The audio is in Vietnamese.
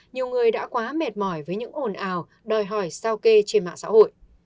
nhiều người đã quá mệt mỏi với những ồn ào đòi hỏi sao kê trên mạng xã hội